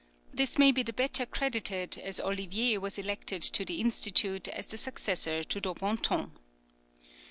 This may be the better credited, as Olivier was elected to the Institute as the successor to Daubenton.